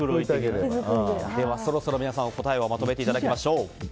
そろそろ皆さん答えをまとめていただきましょう。